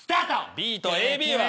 ＢとＡＢは。